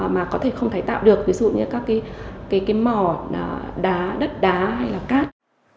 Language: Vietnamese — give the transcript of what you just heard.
mà có thể không thể tạo được ví dụ như các mỏ đá đất đá hay là cát